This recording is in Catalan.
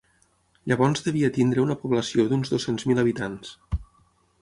Llavors devia tenir una població d'uns dos-cents mil habitants.